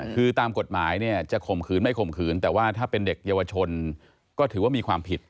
คือตามกฎหมายเนี่ยจะข่มขืนไม่ข่มขืนแต่ว่าถ้าเป็นเด็กเยาวชนก็ถือว่ามีความผิด